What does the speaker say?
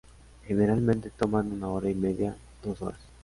Generalmente toman una hora y media, dos horas.